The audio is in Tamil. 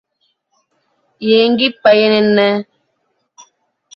ஏங்கிப் பயன் என்ன?